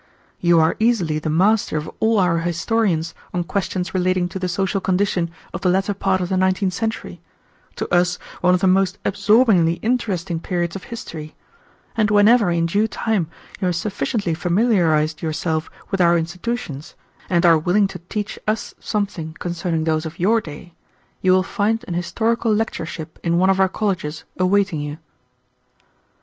You are easily the master of all our historians on questions relating to the social condition of the latter part of the nineteenth century, to us one of the most absorbingly interesting periods of history: and whenever in due time you have sufficiently familiarized yourself with our institutions, and are willing to teach us something concerning those of your day, you will find an historical lectureship in one of our colleges awaiting you."